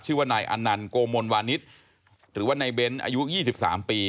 ชื่อว่านายอันนันโกมนวานิสหรือว่านายเบ้นอายุยี่สิบสามปี